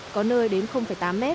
có nơi đến tám m